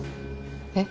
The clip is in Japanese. えっ？